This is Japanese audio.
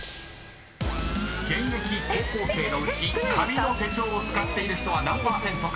［現役高校生のうち紙の手帳を使っている人は何％か］